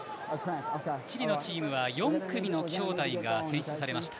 チリのチームは４組の兄弟が選出されました。